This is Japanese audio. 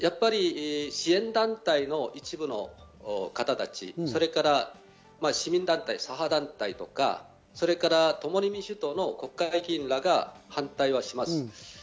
支援団体の一部の方たち、それから市民団体、左派団体とか、それから「共に民主党」の国会議員らが反対します。